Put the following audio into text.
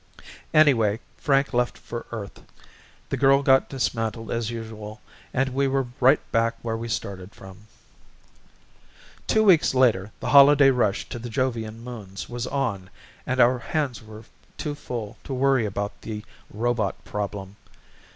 Anyway, Frank left for Earth, the girl got dismantled as usual and we were right back where we started from. Two weeks later the holiday rush to the Jovian Moons was on and our hands were too full to worry about the robot problem.